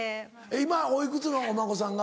今おいくつのお孫さんが？